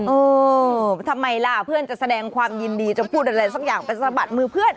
เออทำไมล่ะเพื่อนจะแสดงความยินดีจะพูดอะไรสักอย่างไปสะบัดมือเพื่อน